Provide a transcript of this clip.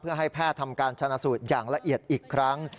เพื่อให้แพทย์ทำการชนะสูตรอย่างละเอียดอีกครั้ง